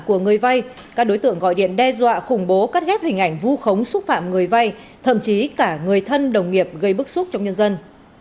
của người vay các đối tượng gọi điện đe dọa khủng bố cắt ghép hình ảnh vu khống xúc phạm người vay thậm chí cả người thân đồng nghiệp gây bức xúc trong nhân dân